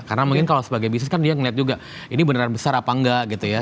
karena mungkin kalau sebagai bisnis kan dia melihat juga ini beneran besar apa enggak gitu ya